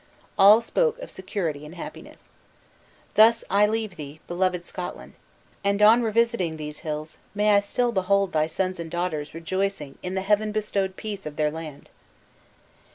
All spoke of security and happiness. "Thus I leave thee, beloved Scotland! And on revisiting these hills, may I still behold thy sons and daughters rejoicing in the heaven bestowed peace of their land!"